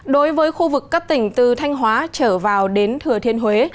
đối với khu vực các tỉnh từ thanh hóa trở vào đến thừa thiên huế